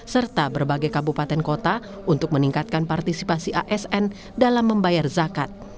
serta berbagai kabupaten kota untuk meningkatkan partisipasi asn dalam membayar zakat